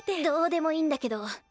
どうでもいいんだけど。